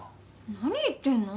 何言ってんの？